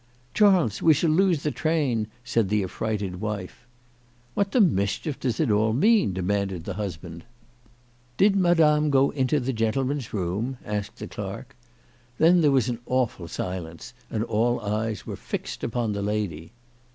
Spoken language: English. " Charles, we shall lose the train," said the affrighted wife. " What the mischief does it all mean ?" demanded the husband. " Did Madame go into the gentleman's room ?" asked CHRISTMAS AT THOMPSON HALL. 237 the clerk. Then there was an awful silence, and all eyes were fixed upon the lady.